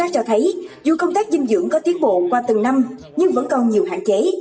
điều đó cho thấy dù công tác dinh dưỡng có tiến bộ qua từng năm nhưng vẫn còn nhiều hạn chế